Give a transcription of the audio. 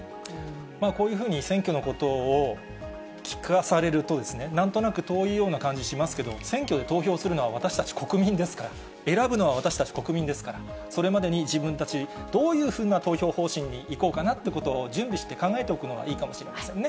こういうふうに選挙のことを聞かされると、なんとなく遠いような感じがしますけれども、選挙で投票するのは私たち国民ですから、選ぶのは私たち国民ですから、それまでに自分たち、どういうふうな投票方針にいこうかなということを準備して、考えておくのがいいかもしれませんね。